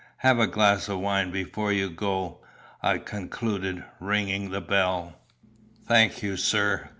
Have a glass of wine before you go," I concluded, ringing the bell. "Thank you, sir.